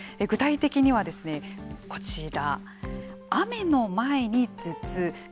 具体的にはこちら雨の前に頭痛。